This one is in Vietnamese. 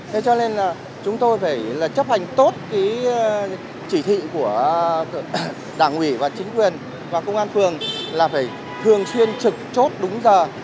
thế cho nên là chúng tôi phải chấp hành tốt cái chỉ thị của đảng ủy và chính quyền và công an phường là phải thường xuyên trực chốt đúng giờ